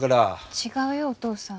違うよお父さん。